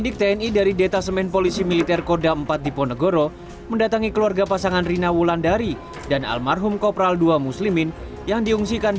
kepada kepada kepada